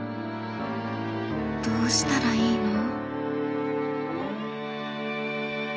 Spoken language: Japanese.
どうしたらいいの」。